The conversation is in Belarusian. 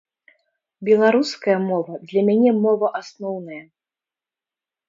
Беларуская мова для мяне мова асноўная.